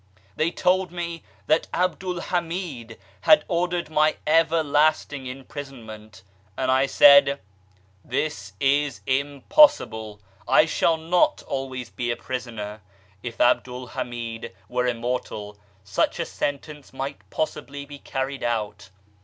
They told me that Abdul Hamid had ordered my ever lasting imprisonment, and I said, " This is impossible ! I shall not always be a prisoner. If Abdul Hamid were immortal, such a sentence might possibly be carried out.